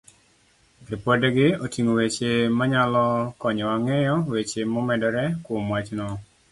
Ripodegi oting'o weche manyalo konyowa ng'eyo weche momedore kuom wachno.